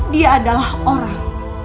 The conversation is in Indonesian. dia adalah orang